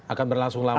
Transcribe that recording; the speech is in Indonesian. akan berlangsung lama